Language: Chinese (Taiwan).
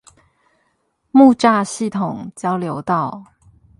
木柵系統交流道